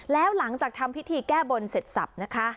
แล้วหลังจากทำพิธีแก้บนเสร็จสับนะคะ